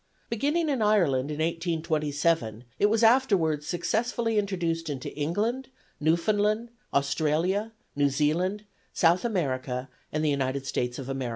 Beginning in Ireland in 1827 it was afterwards successfully introduced into England, Newfoundland, Australia, New Zealand, South America and the United States of America.